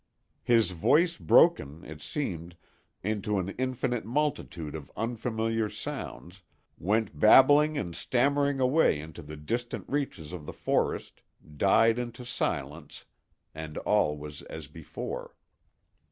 His voice broken, it seemed, into an infinite multitude of unfamiliar sounds, went babbling and stammering away into the distant reaches of the forest, died into silence, and all was as before.